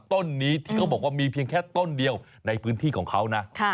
ต้นนี้ที่เขาบอกว่ามีเพียงแค่ต้นเดียวในพื้นที่ของเขานะ